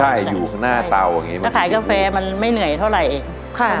ใช่อยู่ข้างหน้าเตาอย่างนี้ไหมถ้าขายกาแฟมันไม่เหนื่อยเท่าไหร่เองค่ะ